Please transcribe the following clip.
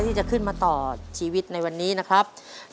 ที่จะขึ้นมาต่อชีวิตในวันนี้นะครับ